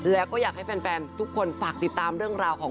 แล้วก็อยากให้แฟนทุกคนฝากติดตามเรื่องราวของ